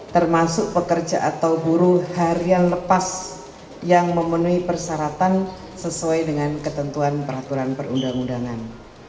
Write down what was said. termasuk pekerja atau buruh harian lepas yang memenuhi persyaratan sesuai dengan ketentuan peraturan perundang undangan